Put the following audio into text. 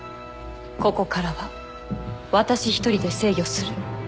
ここからは私一人で制御する。